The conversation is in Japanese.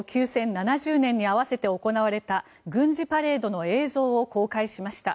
７０年に合わせて行われた軍事パレードの映像を公開しました。